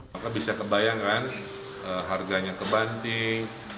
maka bisa kebayangkan harganya kebanting